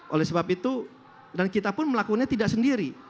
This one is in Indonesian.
oleh sebab itu dan kita pun melakukannya tidak sendiri